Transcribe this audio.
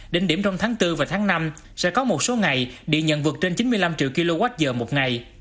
đến điểm trong tháng bốn và tháng năm sẽ có một số ngày điện nhận vượt trên chín mươi năm triệu kwh một ngày